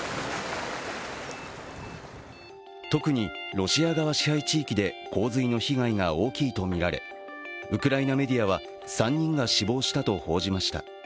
特にロシア側支配地域で洪水の被害が大きいとみられウクライナメディアは３人が死亡したと報じました。